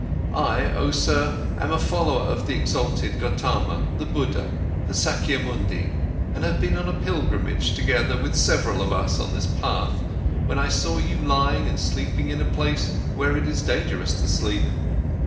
I, oh sir, am a follower of the exalted Gotama, the Buddha, the Sakyamuni, and have been on a pilgrimage together with several of us on this path, when I saw you lying and sleeping in a place where it is dangerous to sleep.